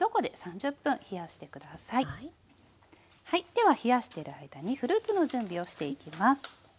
では冷やしてる間にフルーツの準備をしていきます。